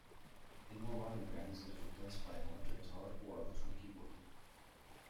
In more modern bands, it is replaced by an electric guitar or electronic keyboard.